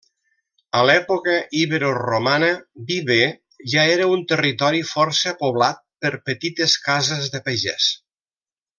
A l'època iberoromana Viver ja era un territori força poblat per petites cases de pagès.